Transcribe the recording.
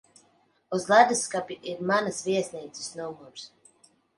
Uz ledusskapja ir manas viesnīcas numurs.